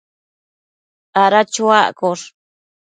ada chuaccosh